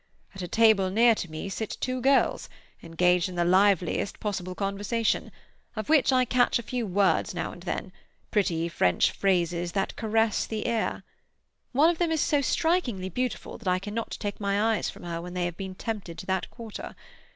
At a table near to me sit two girls, engaged in the liveliest possible conversation, of which I catch a few words now and then, pretty French phrases that caress the ear. One of them is so strikingly beautiful that I cannot take my eyes from her when they have been tempted to that quarter.